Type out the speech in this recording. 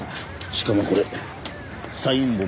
しかもこれサイン本です。